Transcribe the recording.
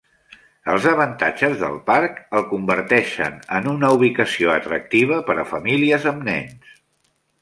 Els avantatges del parc el converteixen en una ubicació atractiva per a famílies amb nens.